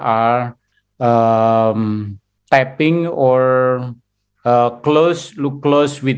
akan membuat perkembangan atau mencari tempat